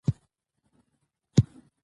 زور یو څپیزه کلمه ده.